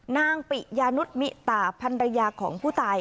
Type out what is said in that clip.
ปิยานุษมิตาพันรยาของผู้ตาย